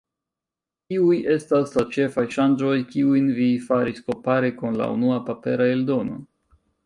Kiuj estas la ĉefaj ŝanĝoj, kiujn vi faris kompare kun la unua papera eldono?